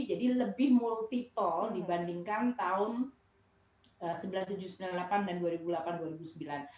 jadi lebih multi toll dibandingkan tahun seribu sembilan ratus sembilan puluh tujuh dua ribu delapan dan dua ribu delapan dua ribu sembilan